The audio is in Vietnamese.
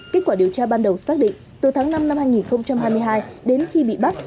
kết quả điều tra ban đầu xác định từ tháng năm năm hai nghìn hai mươi hai đến khi bị bắt